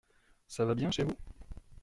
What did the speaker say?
Ça va bien chez vous ?…